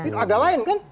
itu agak lain kan